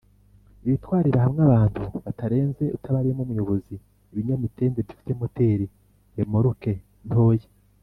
ibitwarira hamwe abantu batarenze utabariyemo umuyobozi-ibinyamitende bifite moteri -remoruke ntoya